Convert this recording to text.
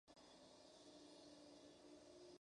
Shanghai Airlines tiene la sede principal aquí.